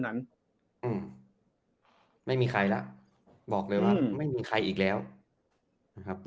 นั้นอืมไม่มีใครแล้วบอกเลยว่าไม่มีใครอีกแล้วนะครับ